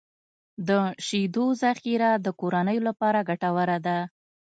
د شیدو ذخیره د کورنیو لپاره ګټوره ده.